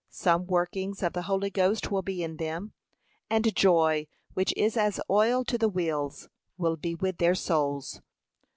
Some workings of the Holy Ghost will be in them. And joy, which is as oil to the wheels, will be with their souls.